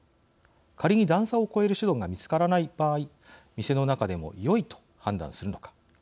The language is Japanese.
仮に段差を越える手段が見つからない場合店の中でもよいと判断するのか。